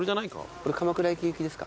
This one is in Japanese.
これ鎌倉駅行きですか？